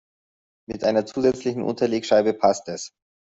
Mit einer zusätzlichen Unterlegscheibe passt es.